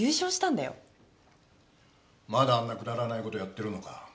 まだあんなくだらないことやってるのか？